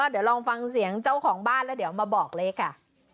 เดี๋ยวลองฟังเสียงเจ้าของบ้านแล้วเดี๋ยวมาบอกเลขค่ะ